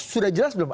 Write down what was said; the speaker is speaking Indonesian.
sudah jelas belum